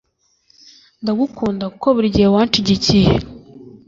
Ndagukunda kuko burigihe wanshigikiye